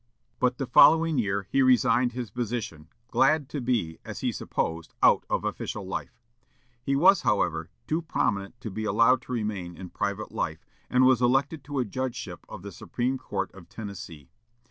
But the following year he resigned his position, glad to be, as he supposed, out of official life. He was, however, too prominent to be allowed to remain in private life, and was elected to a judgeship of the Supreme Court of Tennessee.